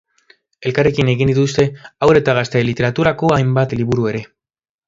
Elkarrekin egin dituzte haur eta gazte literaturako hainbat liburu ere.